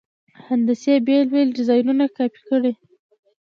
هندسي بېل بېل ډیزاینونه کاپي کړئ.